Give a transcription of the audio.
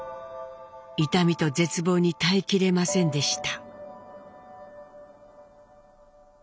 痛みと絶望に耐えきれませんでした。